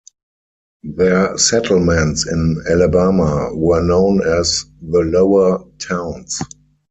Their settlements in Alabama were known as the Lower Towns.